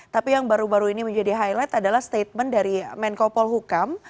tapi yang baru baru ini menjadi highlight adalah statement dari menko polhukam